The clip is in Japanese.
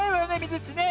ずっちね？